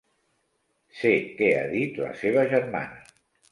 Sé què ha dit la seva germana.